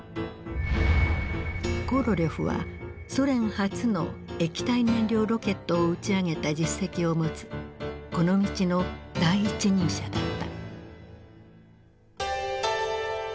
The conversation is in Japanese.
コロリョフはソ連初の液体燃料ロケットを打ち上げた実績を持つこの道の第一人者だった。